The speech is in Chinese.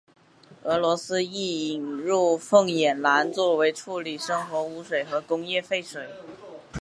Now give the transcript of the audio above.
俄罗斯亦引入凤眼蓝作为处理生活污水和工业废水。